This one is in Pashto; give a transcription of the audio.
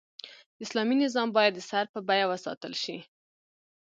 د اسلامي نظام بايد د سر په بيه وساتل شي